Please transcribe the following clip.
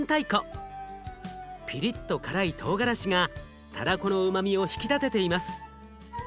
ピリッと辛いとうがらしがたらこのうまみを引き立てています。